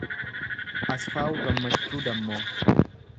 Asfaawu Gammachuu Dammoo